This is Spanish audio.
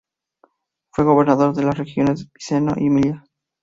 Fue gobernador de las regiones de Piceno y Emilia, en Italia.